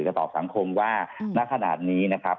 จะตอบสังคมว่าณขนาดนี้นะครับ